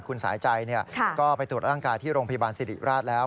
คุณสายใจก็ไปตรวจร่างกายที่โรงพยาบาลสิริราชแล้ว